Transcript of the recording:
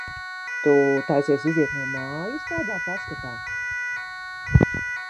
Tu taisies iziet no mājas tādā paskatā?